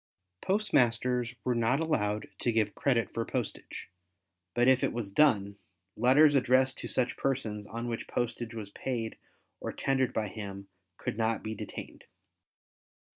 Postmasters were not allowed to give credit for postage, but if it was done, letters addressed to such persons on which postage was paid or tendered by him could not be detained.